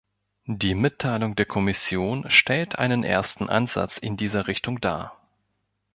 Die Mitteilung der Kommission stellt einen ersten Ansatz in dieser Richtung dar.